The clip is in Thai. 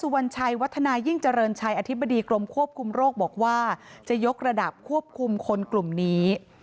ว่าจะยกระดับควบคุมคนกลุ่มนี้